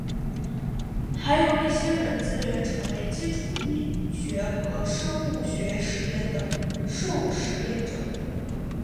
还有一些人自愿成为基础医学和生物学实验的受实验者。